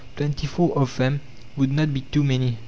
Twenty four of them would not be too many.